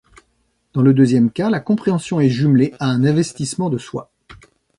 Dans le deuxième cas, la compréhension est jumelée à un investissement de soi.